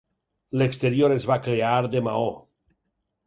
L'exterior es va crear de maó.